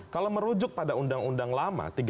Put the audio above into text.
kalau merujuk pada undang undang lama